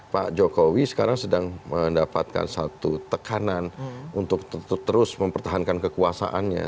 pak jokowi sekarang sedang mendapatkan satu tekanan untuk terus mempertahankan kekuasaannya